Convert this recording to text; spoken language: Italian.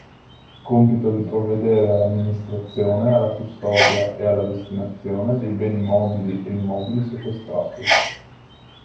Compito di provvedere all'amministrazione, alla custodia ed alla destinazione dei beni mobili e immobili sequestrati.